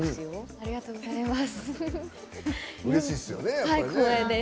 ありがとうございます。